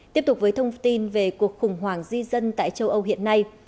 tiếp tục với thông tin về cuộc khủng hoảng di dân tại châu âu hiện nay